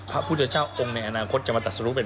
พระพุทธเจ้าองค์ในอนาคตจะมาตัดสรุเป็น